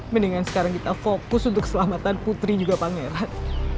mendingan sekarang kita fokus untuk keselamatan putri juga pangeran